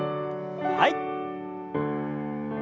はい。